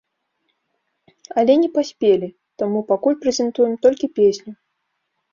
Але не паспелі, таму пакуль прэзентуем толькі песню.